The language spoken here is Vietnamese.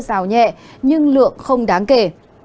rào nhẹ nhưng lượng không đáng kể